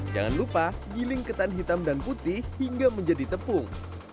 jangan lupa giling ketan hitam dan putih hingga menjadi tepung